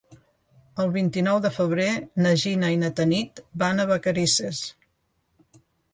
El vint-i-nou de febrer na Gina i na Tanit van a Vacarisses.